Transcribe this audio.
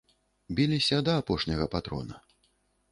Біліся да апошняга патрона.